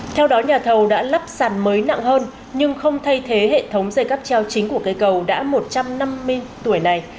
theo đó nhà thầu đã lắp sàn mới nặng hơn nhưng không thay thế hệ thống dây cắp treo chính của cây cầu đã một trăm năm mươi tuổi này